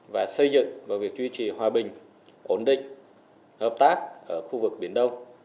và xây dựng vào việc duy trì hòa bình ổn định hợp tác ở khu vực biển đông